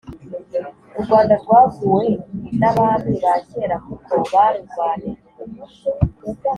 U Rwanda rwaguwe n’abami bakera kuko barurwaniriye